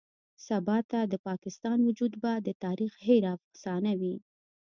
سباته د پاکستان وجود به د تاريخ هېره افسانه وي.